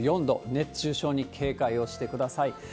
熱中症に警戒をしてください。